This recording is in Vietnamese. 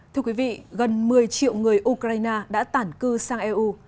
thưa quý vị gần một mươi triệu người ukraine đã tản cư sang eu